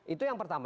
itu yang pertama